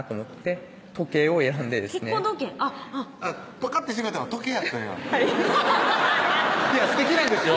パカッてしてくれたの時計やったんやいやすてきなんですよ